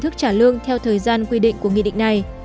thức trả lương theo thời gian quy định của nghị định này